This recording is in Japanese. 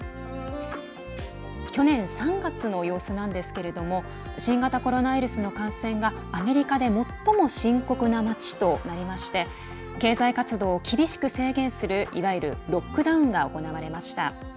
去年３月の様子なんですけれども新型コロナウイルスの感染がアメリカで最も深刻な街となりまして経済活動を厳しく制限するいわゆるロックダウンが行われました。